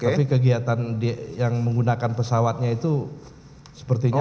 tapi kegiatan yang menggunakan pesawatnya itu sepertinya